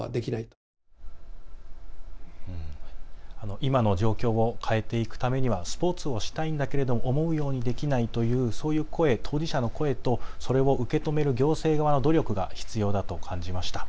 今の状況を変えていくためにはスポーツをしたいんだけど思うようにできないという、そういう声、当事者の声とそれを受け止める行政側の努力が必要だと感じました。